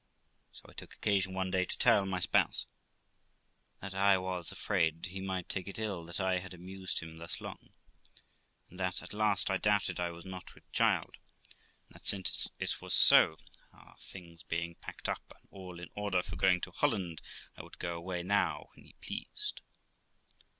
So I took occasion one day to tell my spouse that I was afraid he might take it ill that I had amused him thus long, and that, at last, I doubted I was not with child ; and that, since it was so, our things being packed up, and all in order for going to Holland, I would go away now when he pleased.